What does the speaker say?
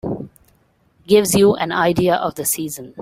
Gives you an idea of the season.